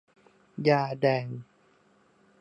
ยาแดง